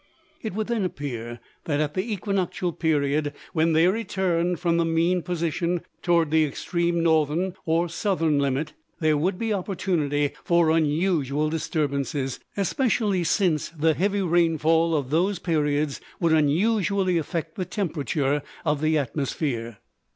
It would then appear that at the equinoctial period, when they return from the mean position toward the extreme northern or southern limit, there would be opportunity for unusual disturbances, especially since the heavy rainfall of those periods would unusually affect the temperature of the atmosphere.